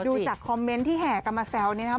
ดูจากคอมเม้นท์ที่แหกลับมาแซวเนี่ยนะ